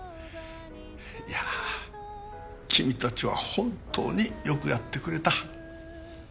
いやぁ君たちは本当によくやってくれた。